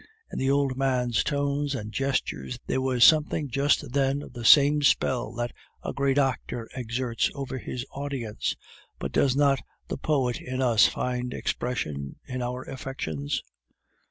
In the old man's tones and gesture there was something just then of the same spell that a great actor exerts over his audience. But does not the poet in us find expression in our affections?